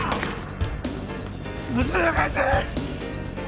娘を返せ！